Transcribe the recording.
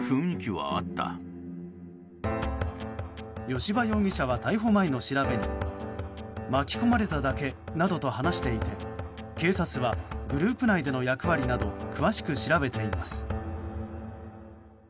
吉羽容疑者は逮捕前の調べに巻き込まれただけなどと話していて警察はグループ内での役割など詳しく調べています。